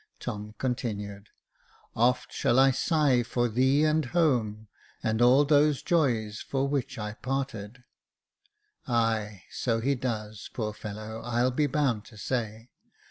Tom continued —" Oft shall I sigh for thee and home, And all those joys for which I parted." " Ay, so he does, poor fellow, I'll be bound to say.